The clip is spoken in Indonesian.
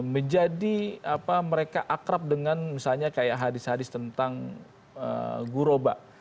menjadi apa mereka akrab dengan misalnya kayak hadis hadis tentang guroba